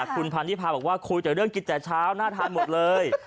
คุณพันธิพาบอกว่าคุยแต่เรื่องกินแต่เช้าน่าทานหมดเลย